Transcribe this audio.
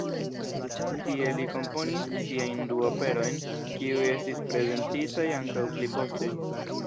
Tie li komponis siajn du operojn, kiuj estis prezentitaj ankaŭ pli poste.